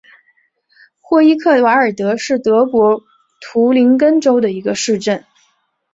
霍伊克瓦尔德是德国图林根州的一个市镇。